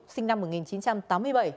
sinh năm một nghìn chín trăm tám mươi bảy